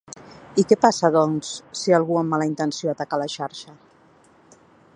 I què passa, doncs, si algú amb mala intenció ataca la xarxa?